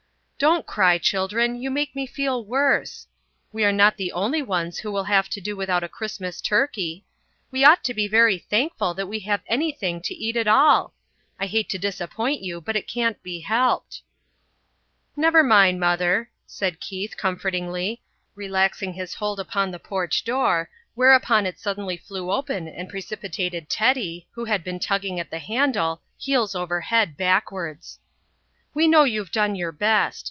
"Don't cry, children, you make me feel worse. We are not the only ones who will have to do without a Christmas turkey. We ought to be very thankful that we have anything to eat at all. I hate to disappoint you, but it can't be helped." "Never mind, Mother," said Keith, comfortingly, relaxing his hold upon the porch door, whereupon it suddenly flew open and precipitated Teddy, who had been tugging at the handle, heels over head backwards. "We know you've done your best.